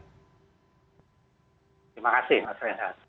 terima kasih mas renza